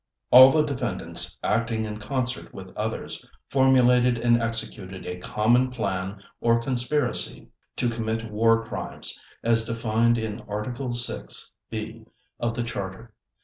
All the defendants, acting in concert with others, formulated and executed a Common Plan or Conspiracy to commit War Crimes as defined in Article 6 (b) of the Charter.